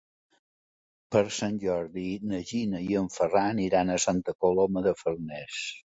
Per Sant Jordi na Gina i en Ferran iran a Santa Coloma de Farners.